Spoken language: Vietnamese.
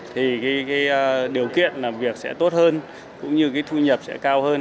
thì điều kiện làm việc sẽ tốt hơn cũng như thu nhập sẽ cao hơn